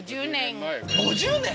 ５０年？